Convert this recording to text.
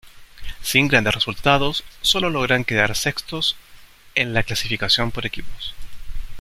Sin grandes resultados solo logran quedar sextos en la clasificación por equipos.